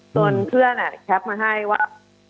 เพื่อนแคปมาให้ว่า